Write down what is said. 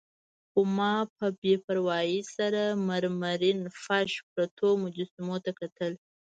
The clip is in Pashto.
خو ما په بې پروايي سره مرمرین فرش، پرتو مجسمو ته کتل.